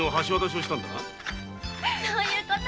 そういうこと！